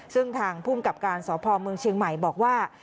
ซึ่งทางภูมิกับการสพเมืองเชียงใหม่บอกว่า